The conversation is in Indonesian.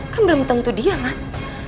kan belum tentu dia mas